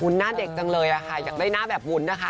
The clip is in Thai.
หน้าเด็กจังเลยค่ะอยากได้หน้าแบบวุ้นนะคะ